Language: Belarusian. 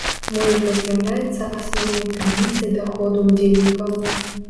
Музыка з'яўляецца асноўнай крыніцай даходу ўдзельнікаў.